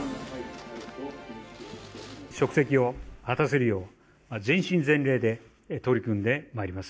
職責を果たせるよう、全身全霊で取り組んでまいります。